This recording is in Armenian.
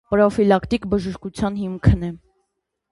Պրոֆիլակտիկ բժշկության հիմքն է։